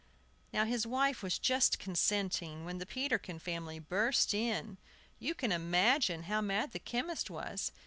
Now his wife was just consenting when the Peterkin family burst in. You can imagine how mad the chemist was!